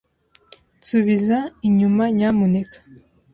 Nsubiza $ inyuma, nyamuneka.